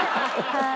はい。